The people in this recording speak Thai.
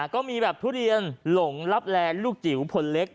ก็มีแบบทุเรียนหลงรับแลนลูกจิ๋วผลเล็ก